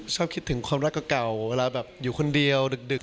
ชอบคิดถึงความรักเก่าเวลาแบบอยู่คนเดียวดึก